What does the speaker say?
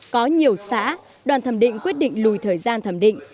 có nhiều xã đoàn thẩm định quyết định lùi thời gian thẩm định